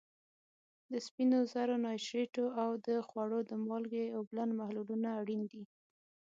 د سپینو زرو نایټریټو او د خوړو د مالګې اوبلن محلولونه اړین دي.